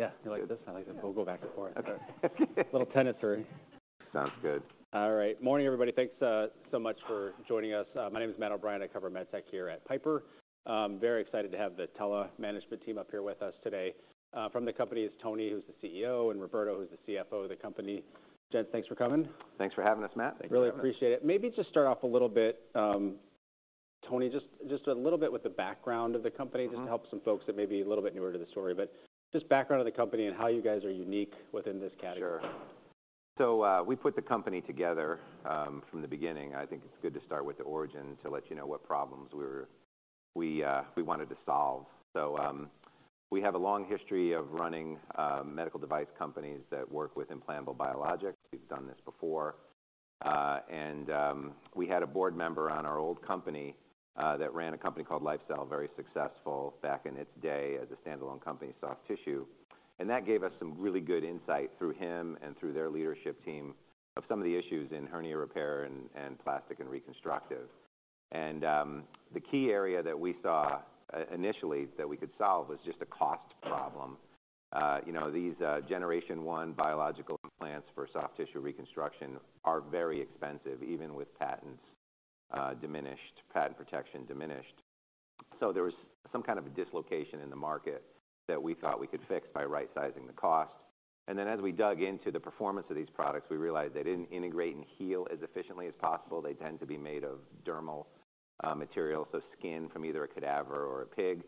Okay. Yeah, you like this? I like it. We'll go back and forth. Okay. A little tentative. Sounds good. All right. Morning, everybody. Thanks, so much for joining us. My name is Matt O'Brien. I cover MedTech here at Piper. I'm very excited to have the TELA management team up here with us today. From the company is Tony, who's the Chief Executive Officer, and Roberto, who's the Chief Financial Officer of the company. Gents, thanks for coming. Thanks for having us, Matt. Thanks for having us. Really appreciate it. Maybe just start off a little bit, Tony, just, just a little bit with the background of the company. Just to help some folks that may be a little bit newer to the story, but just background of the company and how you guys are unique within this category. Sure. So, we put the company together from the beginning. I think it's good to start with the origin to let you know what problems we wanted to solve. So, we have a long history of running medical device companies that work with implantable biologics. We've done this before. We had a board member on our old company that ran a company called LifeCell, very successful back in its day as a standalone company, soft tissue. And that gave us some really good insight through him and through their leadership team of some of the issues in hernia repair and plastic and reconstructive. And the key area that we saw initially that we could solve was just a cost problem. You know, these generation one biological implants for soft tissue reconstruction are very expensive, even with patents, diminished, patent protection diminished. So there was some kind of a dislocation in the market that we thought we could fix by right-sizing the costs. And then, as we dug into the performance of these products, we realized they didn't integrate and heal as efficiently as possible. They tend to be made of dermal material, so skin from either a cadaver or a pig.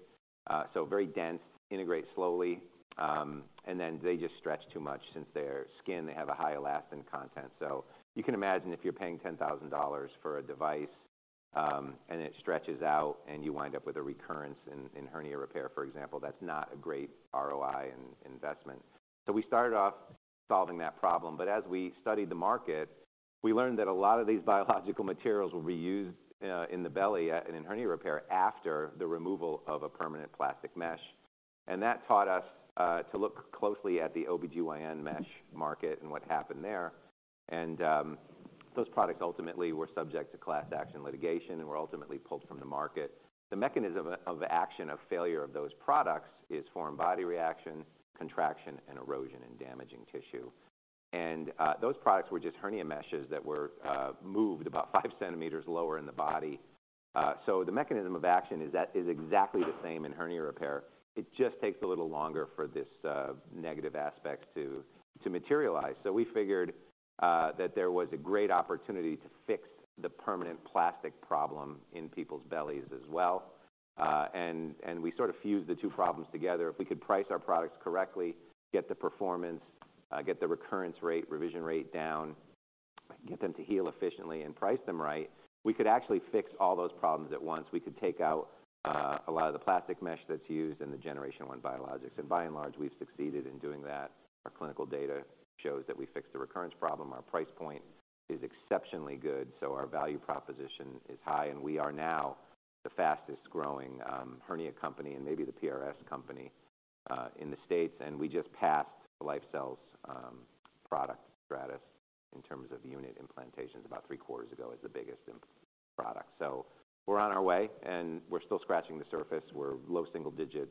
So very dense, integrate slowly, and then they just stretch too much since they're skin, they have a high elastin content. So you can imagine if you're paying $10,000 for a device, and it stretches out, and you wind up with a recurrence in hernia repair, for example, that's not a great ROI in investment. So we started off solving that problem, but as we studied the market, we learned that a lot of these biological materials will be used in the belly and in hernia repair after the removal of a permanent plastic mesh. And that taught us to look closely at the OBGYN mesh market and what happened there. And those products ultimately were subject to class action litigation and were ultimately pulled from the market. The mechanism of action of failure of those products is foreign body reaction, contraction, and erosion, and damaging tissue. And those products were just hernia meshes that were moved about five centimeters lower in the body. So the mechanism of action is exactly the same in hernia repair. It just takes a little longer for this negative aspect to materialize. So we figured that there was a great opportunity to fix the permanent plastic problem in people's bellies as well, and we sort of fused the two problems together. If we could price our products correctly, get the performance, get the recurrence rate, revision rate down, get them to heal efficiently and price them right, we could actually fix all those problems at once. We could take out a lot of the plastic mesh that's used in the generation one biologics. And by and large, we've succeeded in doing that. Our clinical data shows that we fixed the recurrence problem. Our price point is exceptionally good, so our value proposition is high, and we are now the fastest growing hernia company and maybe the PRS company in the States. We just passed LifeCell's product, Strattice, in terms of unit implantations about three quarters ago as the biggest incumbent product. We're on our way, and we're still scratching the surface. We're low single digits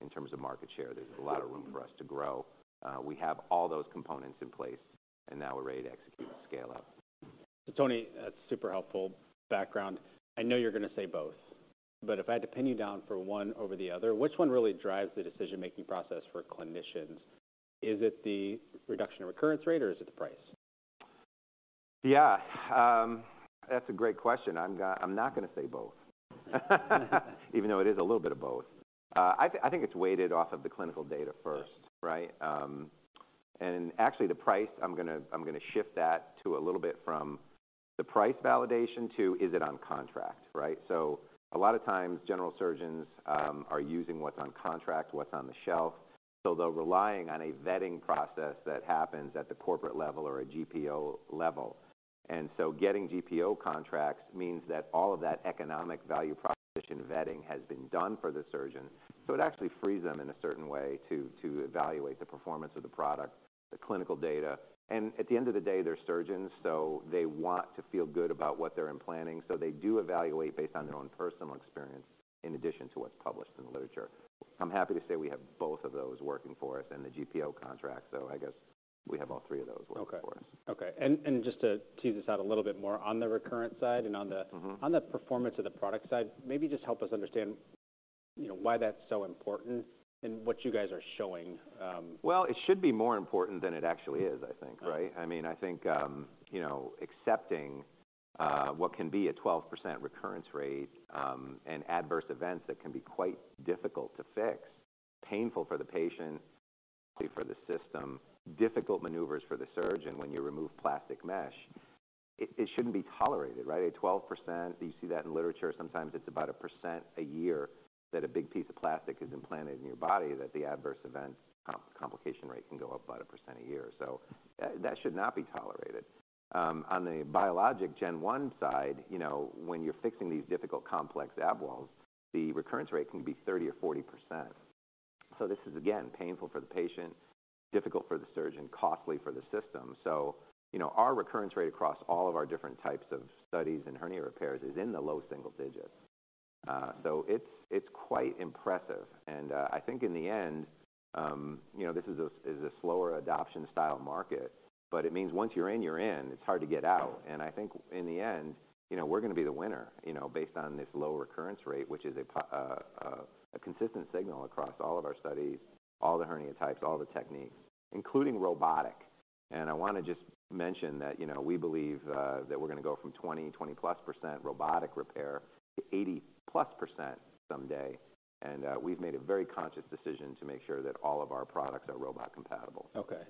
in terms of market share. There's a lot of room for us to grow. We have all those components in place, and now we're ready to execute and scale out. So, Tony, that's super helpful background. I know you're going to say both, but if I had to pin you down for one over the other, which one really drives the decision-making process for clinicians? Is it the reduction of recurrence rate, or is it the price? Yeah, that's a great question. I'm not gonna say both. Even though it is a little bit of both. I think it's weighted off of the clinical data first, right? And actually the price, I'm gonna shift that to a little bit from the price validation to is it on contract, right? So a lot of times, general surgeons are using what's on contract, what's on the shelf. So they're relying on a vetting process that happens at the corporate level or a GPO level. And so getting GPO contracts means that all of that economic value proposition vetting has been done for the surgeon. So it actually frees them in a certain way to evaluate the performance of the product, the clinical data. At the end of the day, they're surgeons, so they want to feel good about what they're implanting. They do evaluate based on their own personal experience, in addition to what's published in the literature. I'm happy to say we have both of those working for us in the GPO contract, so I guess we have all three of those working for us. Okay. Okay, and just to tease this out a little bit more, on the recurrence side and on the. on the performance of the product side, maybe just help us understand, you know, why that's so important and what you guys are showing? Well, it should be more important than it actually is, I think, right? I mean, I think, you know, accepting what can be a 12% recurrence rate, and adverse events that can be quite difficult to fix, painful for the patient, for the system, difficult maneuvers for the surgeon when you remove plastic mesh, it shouldn't be tolerated, right? At 12%, you see that in literature. Sometimes it's about 1% a year that a big piece of plastic is implanted in your body, that the adverse event complication rate can go up about 1% a year. So that should not be tolerated. On the biologic gen one side, you know, when you're fixing these difficult, complex ab walls, the recurrence rate can be 30% or 40%. So this is, again, painful for the patient. Difficult for the surgeon, costly for the system. So, you know, our recurrence rate across all of our different types of studies and hernia repairs is in the low single digits. So it's quite impressive, and I think in the end, you know, this is a slower adoption style market, but it means once you're in, you're in, it's hard to get out. And I think in the end, you know, we're going to be the winner, you know, based on this low recurrence rate, which is a consistent signal across all of our studies, all the hernia types, all the techniques, including robotic. I want to just mention that, you know, we believe that we're going to go from 20, 20-plus% robotic repair to 80-plus% someday, and we've made a very conscious decision to make sure that all of our products are robot compatible. Okay.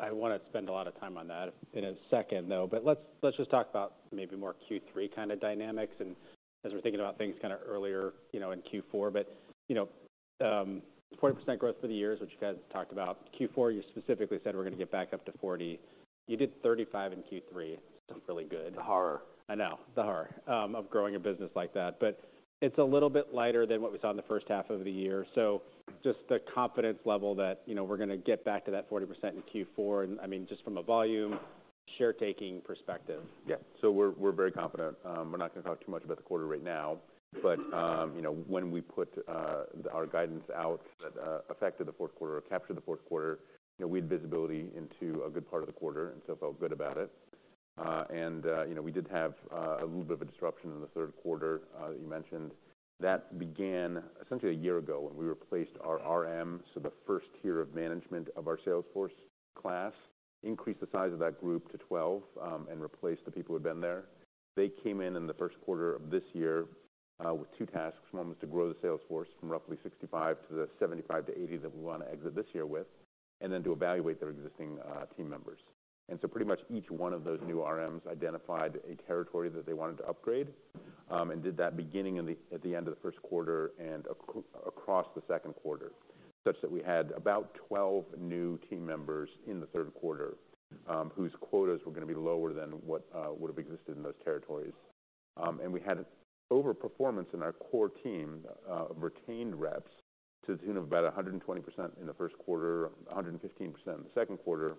I want to spend a lot of time on that in a second, though, but let's just talk about maybe more Q3 kind of dynamics and as we're thinking about things kind of earlier, you know, in Q4. But, you know, 40% growth for the years, which you guys talked about. Q4, you specifically said we're going to get back up to 40. You did 35 in Q3, so really good. The horror. I know, the horror of growing a business like that, but it's a little bit lighter than what we saw in the first half of the year. So just the confidence level that, you know, we're going to get back to that 40% in Q4, and, I mean, just from a volume, share taking perspective. Yeah. So we're very confident. We're not going to talk too much about the quarter right now, but you know, when we put our guidance out that affected the fourth quarter or captured the fourth quarter, you know, we had visibility into a good part of the quarter and so felt good about it. And you know, we did have a little bit of a disruption in the third quarter that you mentioned. That began essentially a year ago when we replaced our RMs. So the first tier of management of our sales force last increased the size of that group to 12, and replaced the people who had been there. They came in in the first quarter of this year with two tasks. One was to grow the sales force from roughly 65 to the 75 to 80 that we want to exit this year with, and then to evaluate their existing team members. And so pretty much each one of those new RMs identified a territory that they wanted to upgrade, and did that beginning at the end of the first quarter and across the second quarter. Such that we had about 12 new team members in the third quarter, whose quotas were going to be lower than what would have existed in those territories. And we had overperformance in our core team of retained reps to the tune of about 120% in the first quarter, 115% in the second quarter.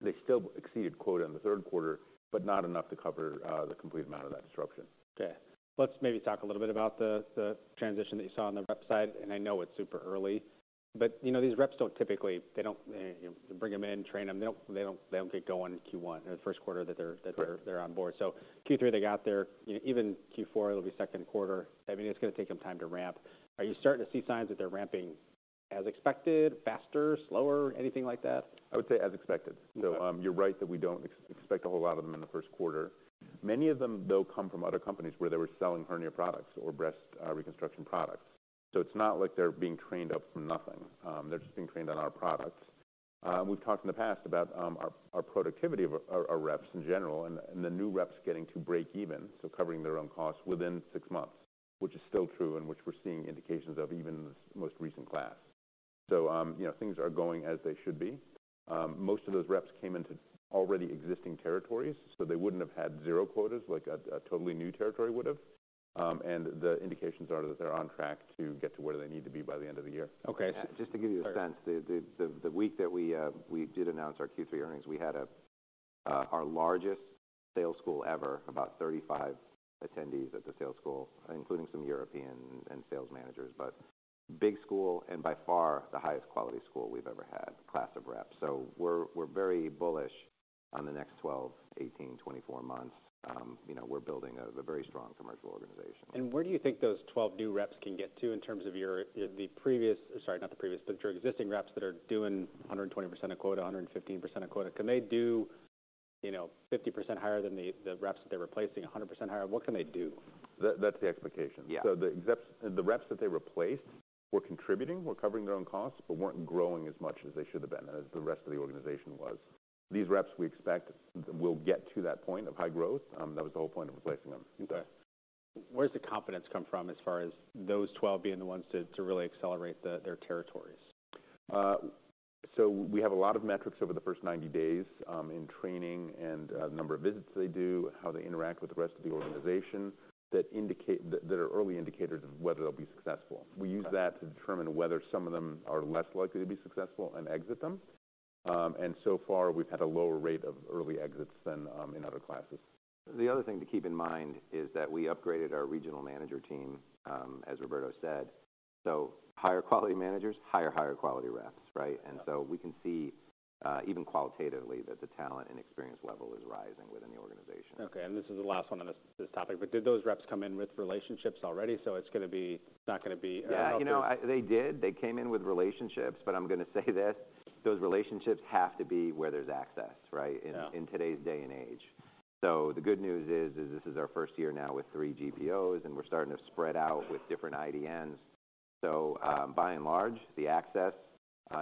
They still exceeded quota in the third quarter, but not enough to cover the complete amount of that disruption. Okay. Let's maybe talk a little bit about the, the transition that you saw on the rep side, and I know it's super early, but, you know, these reps don't typically... They don't, you bring them in, train them. They don't, they don't, they don't get going in Q1 or the first quarter that they're- Correct That they're on board. So Q3, they got there. Even Q4, it'll be second quarter. I mean, it's going to take them time to ramp. Are you starting to see signs that they're ramping as expected, faster, slower, anything like that? I would say as expected. Okay. So, you're right that we don't expect a whole lot of them in the first quarter. Many of them, though, come from other companies where they were selling hernia products or breast reconstruction products. So it's not like they're being trained up from nothing. They're just being trained on our products. We've talked in the past about our productivity of our reps in general and the new reps getting to break even, so covering their own costs within six months, which is still true and which we're seeing indications of even in this most recent class. So, you know, things are going as they should be. Most of those reps came into already existing territories, so they wouldn't have had zero quotas like a totally new territory would have. The indications are that they're on track to get to where they need to be by the end of the year. Okay. Just to give you a sense, the week that we did announce our Q3 earnings, we had our largest sales school ever, about 35 attendees at the sales school, including some European and sales managers. But big school and by far the highest quality school we've ever had, class of reps. So we're very bullish on the next 12, 18, 24 months. You know, we're building a very strong commercial organization. Where do you think those 12 new reps can get to in terms of your, the previous... Sorry, not the previous, but your existing reps that are doing 120% of quota, 115% of quota? Can they do, you know, 50% higher than the, the reps that they're replacing, 100% higher? What can they do? That's the expectation. Yeah. So the reps that they replaced were contributing, were covering their own costs, but weren't growing as much as they should have been, as the rest of the organization was. These reps, we expect, will get to that point of high growth. That was the whole point of replacing them. Okay. Where does the confidence come from as far as those twelve being the ones to, to really accelerate the, their territories? So we have a lot of metrics over the first 90 days in training and number of visits they do, how they interact with the rest of the organization, that are early indicators of whether they'll be successful. Okay. We use that to determine whether some of them are less likely to be successful and exit them. And so far, we've had a lower rate of early exits than in other classes. The other thing to keep in mind is that we upgraded our regional manager team, as Roberto said. So higher quality managers, higher, higher quality reps, right? Yeah. We can see, even qualitatively, that the talent and experience level is rising within the organization. Okay, and this is the last one on this, this topic, but did those reps come in with relationships already? So it's going to be, it's not going to be. Yeah, you know, they did. They came in with relationships, but I'm going to say this, those relationships have to be where there's access, right? Yeah. In today's day and age. So the good news is this is our first year now with three GPOs, and we're starting to spread out with different IDNs. So, by and large, the access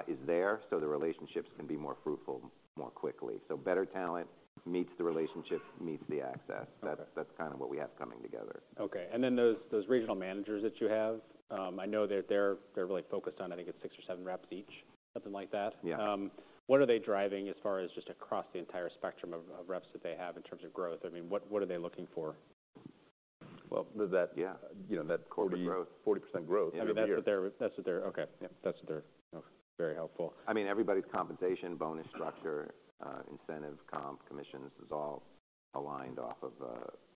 is there, so the relationships can be more fruitful more quickly. So better talent meets the relationship, meets the access. Okay. That's kind of what we have coming together. Okay. And then those, those regional managers that you have, I know that they're, they're really focused on, I think, it's six or seven reps each, something like that? Yeah. What are they driving as far as just across the entire spectrum of reps that they have in terms of growth? I mean, what are they looking for?... Well, that, yeah, you know, that quarter growth, 40% growth every year. I mean, that's what they're... Okay. Yep, very helpful. I mean, everybody's compensation, bonus structure, incentive comp, commissions, is all aligned off of,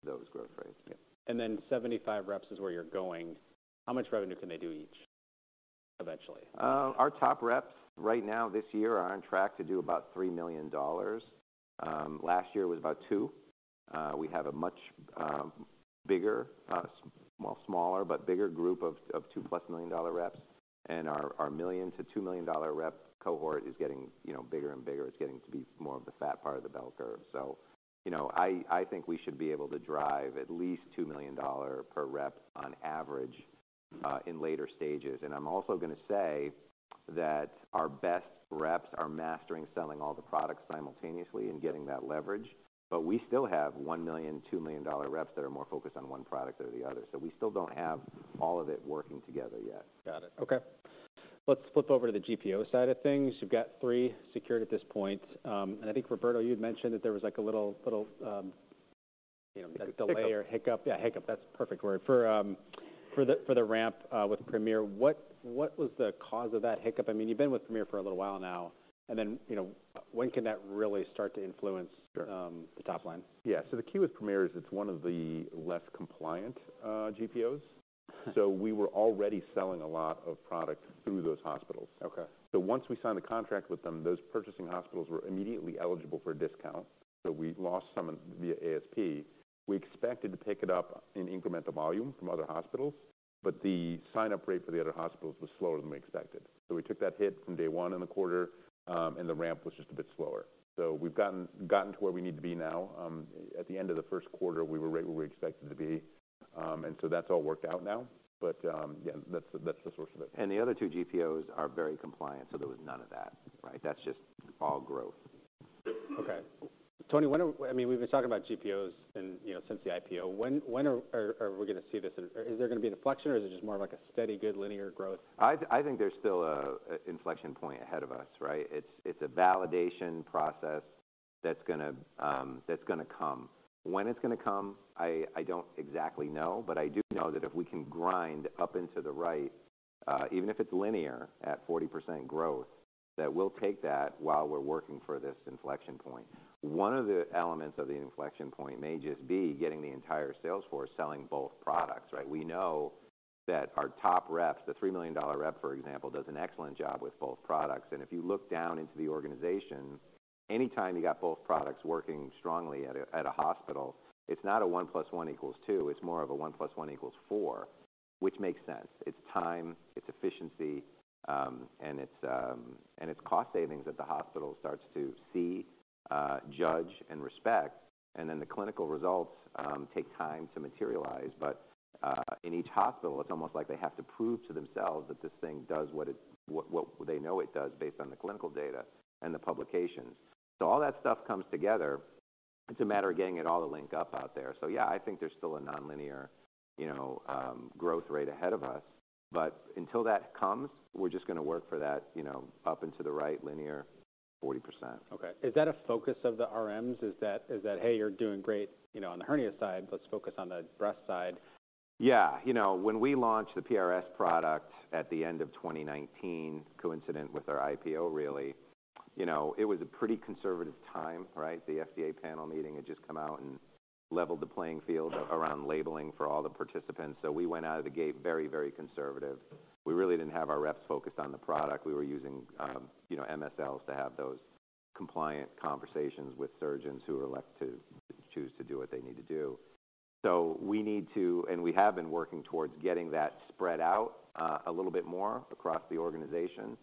those growth rates. Yeah. And then 75 reps is where you're going. How much revenue can they do each, eventually? Our top reps right now this year are on track to do about $3 million. Last year was about $2 million. We have a much bigger, smaller, but bigger group of $2+ million reps, and our $1 million to $2 million rep cohort is getting, you know, bigger and bigger. It's getting to be more of the fat part of the bell curve. So, you know, I think we should be able to drive at least $2 million per rep on average in later stages. And I'm also gonna say that our best reps are mastering selling all the products simultaneously and getting that leverage, but we still have $1 million, $2 million reps that are more focused on one product or the other. So we still don't have all of it working together yet. Got it. Okay. Let's flip over to the GPO side of things. You've got three secured at this point. And I think, Roberto, you'd mentioned that there was, like, a little, you know, delay- Hiccup. -or hiccup. Yeah, hiccup, that's a perfect word. For the ramp with Premier, what was the cause of that hiccup? I mean, you've been with Premier for a little while now, and then, you know, when can that really start to influence. Sure. the top line? Yeah. So the key with Premier is it's one of the less compliant GPOs. Okay. So we were already selling a lot of product through those hospitals. Okay. So once we signed a contract with them, those purchasing hospitals were immediately eligible for a discount, so we lost some via ASP. We expected to pick it up in incremental volume from other hospitals, but the sign-up rate for the other hospitals was slower than we expected. So we took that hit from day one in the quarter, and the ramp was just a bit slower. So we've gotten to where we need to be now. At the end of the first quarter, we were right where we expected to be. And so that's all worked out now. But, yeah, that's the source of it. And the other two GPOs are very compliant, so there was none of that, right? That's just all growth. Okay. Tony, I mean, we've been talking about GPOs and, you know, since the IPO. When are we gonna see this? Is there gonna be an inflection, or is it just more of like a steady, good, linear growth? I think there's still an inflection point ahead of us, right? It's a validation process that's gonna come. When it's gonna come, I don't exactly know, but I do know that if we can grind up into the right, even if it's linear at 40% growth, that we'll take that while we're working for this inflection point. One of the elements of the inflection point may just be getting the entire sales force selling both products, right? We know that our top reps, the $3 million rep, for example, does an excellent job with both products. And if you look down into the organization, any time you got both products working strongly at a hospital, it's not a one plus one equals two, it's more of a one plus one equals four, which makes sense. It's time, it's efficiency, and it's cost savings that the hospital starts to see, judge, and respect, and then the clinical results take time to materialize. But, in each hospital, it's almost like they have to prove to themselves that this thing does what it, what they know it does based on the clinical data and the publications. So all that stuff comes together. It's a matter of getting it all to link up out there. So yeah, I think there's still a nonlinear, you know, growth rate ahead of us, but until that comes, we're just gonna work for that, you know, up and to the right, linear 40%. Okay. Is that a focus of the RMs? Is that, is that: "Hey, you're doing great, you know, on the hernia side, let's focus on the breast side? Yeah. You know, when we launched the PRS product at the end of 2019, coincident with our IPO, really, you know, it was a pretty conservative time, right? The FDA panel meeting had just come out and leveled the playing field around labeling for all the participants, so we went out of the gate very, very conservative. We really didn't have our reps focused on the product. We were using, you know, MSLs to have those compliant conversations with surgeons who were elect to choose to do what they need to do. So we need to, and we have been working towards getting that spread out, a little bit more across the organization.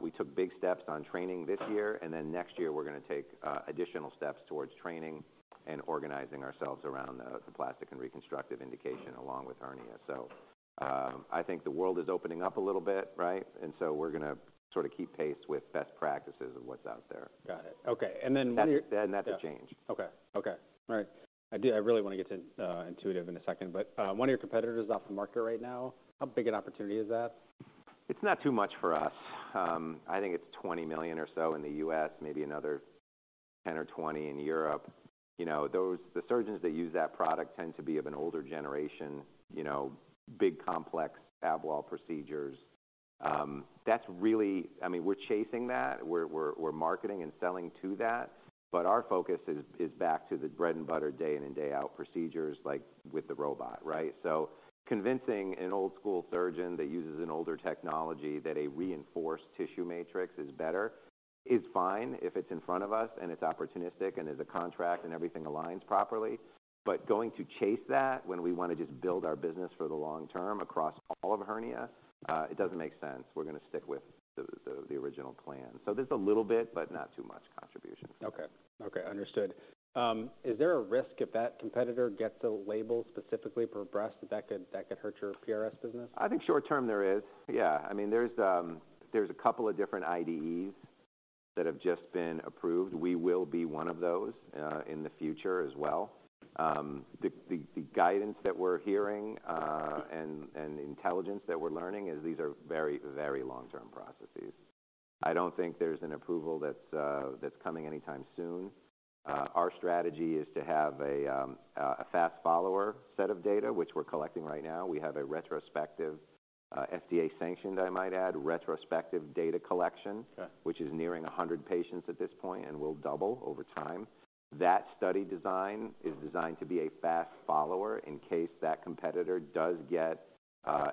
We took big steps on training this year, and then next year, we're gonna take additional steps towards training and organizing ourselves around the plastic and reconstructive indication, along with hernia. I think the world is opening up a little bit, right? And so we're gonna sort of keep pace with best practices of what's out there. Got it. Okay, and then- That's a change. Okay. Okay, all right. I do, I really want to get to Intuitive in a second, but one of your competitors is off the market right now. How big an opportunity is that? It's not too much for us. I think it's $20 million or so in the U.S, maybe another $10 million or $20 million in Europe. You know, those. The surgeons that use that product tend to be of an older generation, you know, big, complex ab wall procedures. That's really, I mean, we're chasing that. We're marketing and selling to that, but our focus is back to the bread-and-butter, day-in and day-out procedures, like with the robot, right? So convincing an old-school surgeon that uses an older technology that a reinforced tissue matrix is better is fine if it's in front of us, and it's opportunistic, and there's a contract, and everything aligns properly. But going to chase that when we want to just build our business for the long term across all of hernia, it doesn't make sense. We're gonna stick with the original plan. So there's a little bit, but not too much contribution. Okay. Okay, understood. Is there a risk if that competitor gets a label specifically for breast, that could hurt your PRS business? I think short term, there is. Yeah, I mean, there's, there's a couple of different IDEs that have just been approved. We will be one of those, in the future as well. The guidance that we're hearing, and intelligence that we're learning is these are very, very long-term processes.... I don't think there's an approval that's coming anytime soon. Our strategy is to have a fast follower set of data, which we're collecting right now. We have a retrospective, FDA-sanctioned, I might add, retrospective data collection. Okay. Which is nearing 100 patients at this point and will double over time. That study design is designed to be a fast follower in case that competitor does get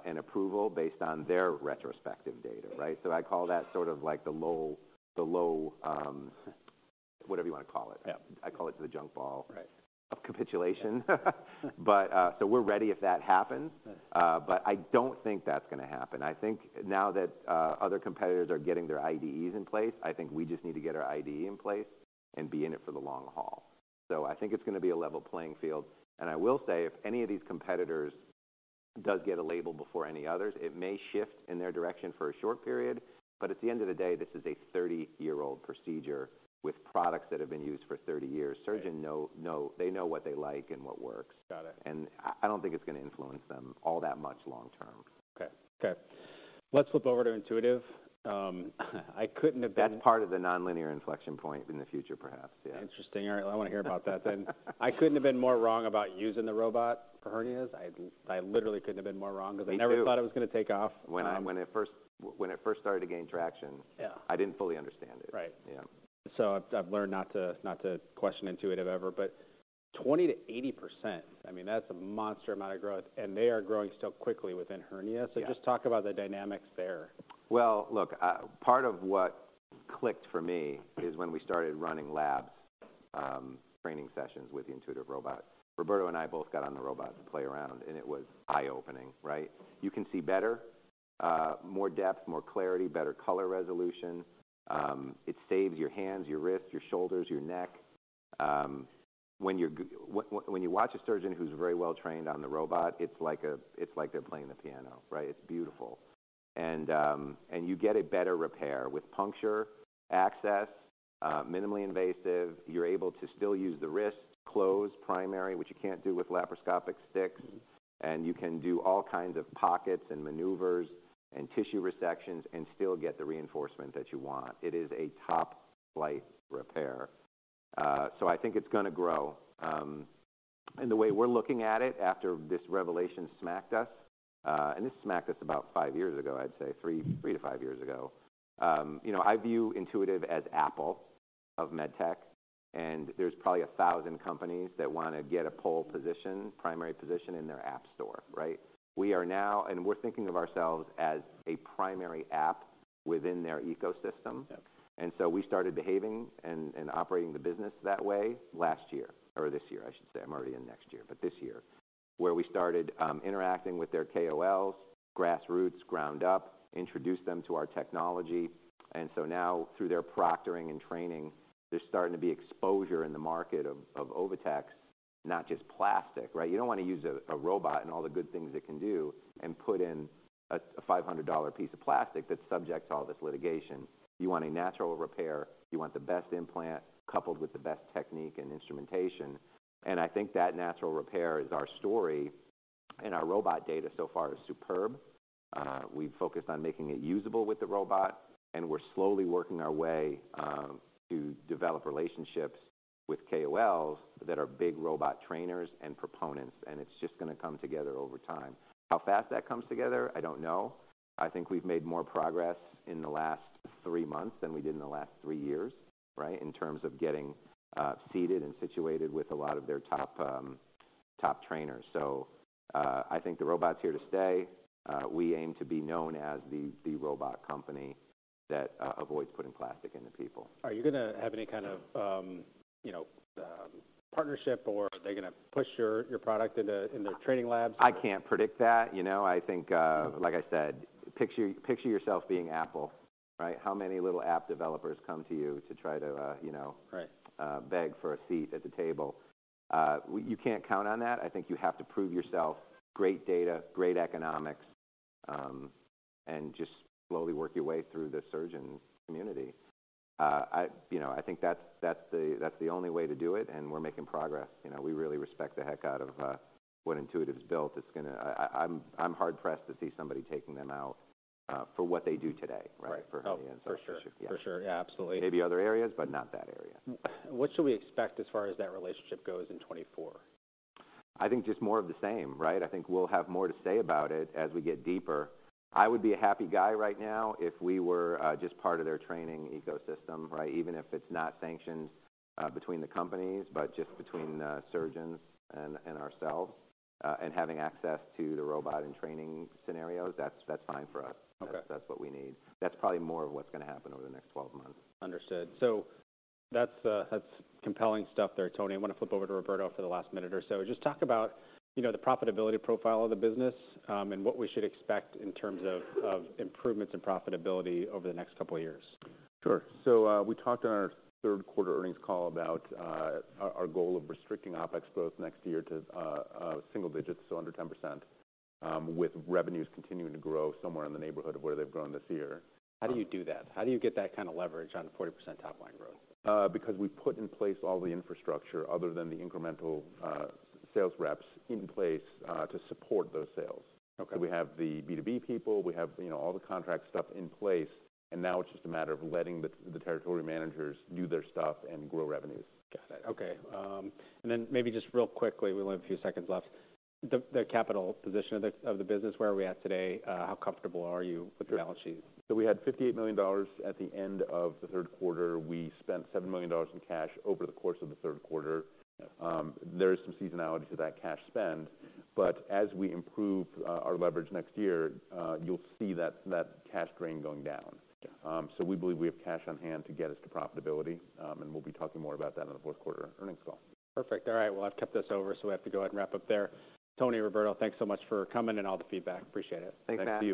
an approval based on their retrospective data, right? So I call that sort of like the low, whatever you wanna call it. Yeah. I call it the junk ball- Right - of capitulation. Yeah. So, we're ready if that happens. Right. But I don't think that's gonna happen. I think now that other competitors are getting their IDEs in place, I think we just need to get our IDE in place and be in it for the long haul. So I think it's gonna be a level playing field, and I will say, if any of these competitors does get a label before any others, it may shift in their direction for a short period, but at the end of the day, this is a 30-year-old procedure with products that have been used for 30 years. Right. Surgeons know. They know what they like and what works. Got it. I don't think it's gonna influence them all that much long term. Okay. Okay, let's flip over to Intuitive. I couldn't have been- That's part of the nonlinear inflection point in the future, perhaps. Yeah. Interesting. All right, I wanna hear about that then. I couldn't have been more wrong about using the robot for hernias. I, I literally couldn't have been more wrong- Me too because I never thought it was gonna take off. When it first started to gain traction. Yeah I didn't fully understand it. Right. Yeah. So I've learned not to question Intuitive ever, but 20% to 80%, I mean, that's a monster amount of growth, and they are growing still quickly within hernia. Yeah. Just talk about the dynamics there. Well, look, part of what clicked for me is when we started running lab training sessions with the Intuitive robot. Roberto and I both got on the robot to play around, and it was eye-opening, right? You can see better, more depth, more clarity, better color resolution. It saves your hands, your wrists, your shoulders, your neck. When you watch a surgeon who's very well trained on the robot, it's like a... it's like they're playing the piano, right? It's beautiful. And you get a better repair with puncture access, minimally invasive. You're able to still use the wrist to close primary, which you can't do with laparoscopic sticks, and you can do all kinds of pockets, and maneuvers, and tissue resections and still get the reinforcement that you want. It is a top-flight repair. So, I think it's gonna grow. And the way we're looking at it, after this revelation smacked us, and this smacked us about five years ago, I'd say three, three to five years ago. You know, I view Intuitive as Apple of MedTech, and there's probably 1,000 companies that wanna get a pole position, primary position in their App Store, right? We are now and we're thinking of ourselves as a primary app within their ecosystem. Yep. And so we started behaving and, and operating the business that way last year, or this year, I should say. I'm already in next year, but this year, where we started interacting with their KOLs, grassroots, ground up, introduced them to our technology. And so now, through their proctoring and training, there's starting to be exposure in the market of, of OviTex, not just plastic, right? You don't wanna use a, a robot and all the good things it can do and put in a, a $500 piece of plastic that's subject to all this litigation. You want a natural repair. You want the best implant coupled with the best technique and instrumentation, and I think that natural repair is our story, and our robot data so far is superb. We've focused on making it usable with the robot, and we're slowly working our way to develop relationships with KOLs that are big robot trainers and proponents, and it's just gonna come together over time. How fast that comes together, I don't know. I think we've made more progress in the last three months than we did in the last three years, right? In terms of getting seated and situated with a lot of their top trainers. So, I think the robot's here to stay. We aim to be known as the robot company that avoids putting plastic into people. Are you gonna have any kind of, you know, partnership, or are they gonna push your product into their training labs, or? I can't predict that. You know, I think, like I said, picture yourself being Apple, right? How many little app developers come to you to try to, you know, Right Beg for a seat at the table? You can't count on that. I think you have to prove yourself, great data, great economics, and just slowly work your way through the surgeon community. You know, I think that's the only way to do it, and we're making progress. You know, we really respect the heck out of what Intuitive's built. It's gonna... I'm hard-pressed to see somebody taking them out for what they do today- Right - for hernia. For sure. Yeah. For sure. Yeah, absolutely. Maybe other areas, but not that area. What should we expect as far as that relationship goes in 2024? I think just more of the same, right? I think we'll have more to say about it as we get deeper. I would be a happy guy right now if we were just part of their training ecosystem, right? Even if it's not sanctioned between the companies, but just between surgeons and ourselves, and having access to the robot and training scenarios, that's fine for us. Okay. That's, that's what we need. That's probably more of what's gonna happen over the next 12 months. Understood. So that's, that's compelling stuff there, Tony. I wanna flip over to Roberto for the last minute or so. Just talk about, you know, the profitability profile of the business, and what we should expect in terms of improvements in profitability over the next couple of years. Sure. So, we talked on our third quarter earnings call about our goal of restricting OpEx growth next year to single digits, so under 10%, with revenues continuing to grow somewhere in the neighborhood of where they've grown this year. How do you do that? How do you get that kind of leverage on 40% top line growth? Because we've put in place all the infrastructure other than the incremental sales reps in place to support those sales. Okay. So we have the B2B people, we have, you know, all the contract stuff in place, and now it's just a matter of letting the territory managers do their stuff and grow revenues. Got it. Okay. And then maybe just real quickly, we only have a few seconds left. The capital position of the business, where are we at today? How comfortable are you with the balance sheet? So we had $58 million at the end of the third quarter. We spent $7 million in cash over the course of the third quarter. There is some seasonality to that cash spend, but as we improve our leverage next year, you'll see that cash drain going down. So we believe we have cash on hand to get us to profitability, and we'll be talking more about that on the fourth quarter earnings call. Perfect. All right, well, I've kept this over, so we have to go ahead and wrap up there. Tony, Roberto, thanks so much for coming and all the feedback. Appreciate it. Thanks, Matt. Thank you.